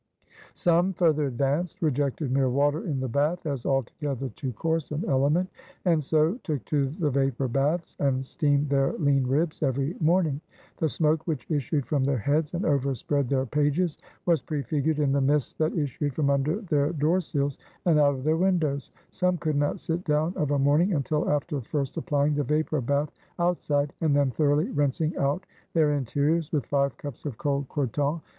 Some, further advanced, rejected mere water in the bath, as altogether too coarse an element; and so, took to the Vapor baths, and steamed their lean ribs every morning. The smoke which issued from their heads, and overspread their pages, was prefigured in the mists that issued from under their door sills and out of their windows. Some could not sit down of a morning until after first applying the Vapor bath outside and then thoroughly rinsing out their interiors with five cups of cold Croton.